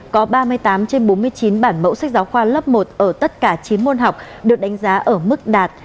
có ba mươi tám trên bốn mươi chín bản mẫu sách giáo khoa lớp một ở tất cả chín môn học được đánh giá ở mức đạt